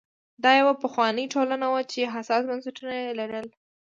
دا یوه پخوانۍ ټولنه وه چې حساس بنسټونه یې لرل.